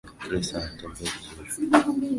Chris anatembea vizuri